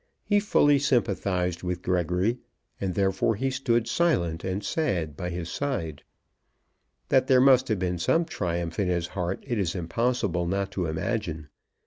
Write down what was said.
He fully sympathised with Gregory; and therefore he stood silent and sad by his side. That there must have been some triumph in his heart it is impossible not to imagine.